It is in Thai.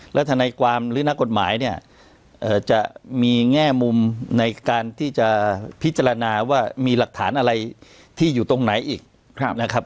แล้วทนายความหรือนักกฎหมายเนี่ยจะมีแง่มุมในการที่จะพิจารณาว่ามีหลักฐานอะไรที่อยู่ตรงไหนอีกนะครับ